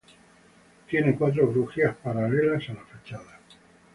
Tiene cuatro crujías paralelas a la fachada.